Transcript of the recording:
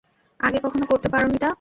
আগে কখনো করতে পারোনি তা।